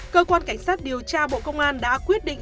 cơ quan cảnh sát điều tra bộ công an đã quyết định